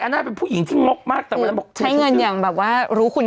ฉันในฐานนี้สนิทกับมัน